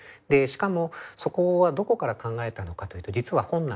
しかもそこはどこから考えたのかというと実は本なんです。